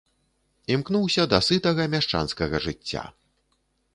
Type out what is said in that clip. Імкнуўся да сытага мяшчанскага жыцця.